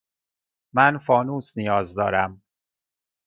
من فانوس نیاز دارم.